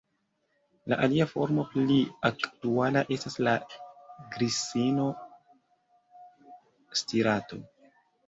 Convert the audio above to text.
La alia formo pli aktuala estas la "grissino stirato".